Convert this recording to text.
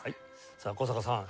さあ古坂さん